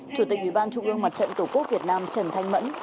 chủ tịch ủy ban trung ương mặt trận tổ quốc việt nam trần thanh mẫn